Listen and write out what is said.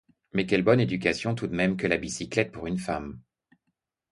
Mais quelle bonne éducation tout de même que la bicyclette pour une femme!